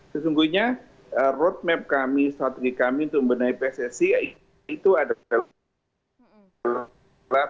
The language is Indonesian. sesungguhnya roadmap kami strategi kami untuk membenahi pssi itu adalah